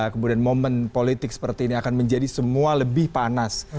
kemudian momen politik seperti ini akan menjadi semua lebih panas